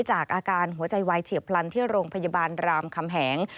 จากอาการหัวใจวายเฉียบพลันที่โรงพยาบาลรามคำแหง